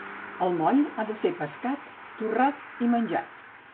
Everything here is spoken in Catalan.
El moll ha de ser pescat, torrat i menjat.